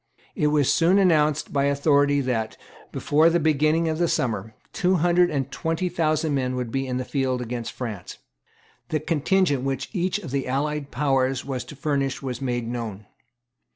It was soon announced by authority that, before the beginning of summer, two hundred and twenty thousand men would be in the field against France. The contingent which each of the allied powers was to furnish was made known.